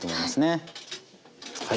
はい。